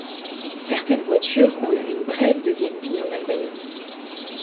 Certaines voitures ont eu une brève deuxième vie en Albanie.